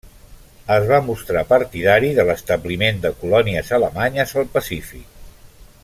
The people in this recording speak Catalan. Es va mostrar partidari de l'establiment de colònies alemanyes al Pacífic.